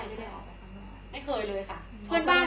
ปกติเราเลี้ยงในบ้านอย่างนี้อยู่แล้วใช่ไหม